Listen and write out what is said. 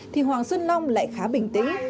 thì hoàng xuân long lại khá bình tĩnh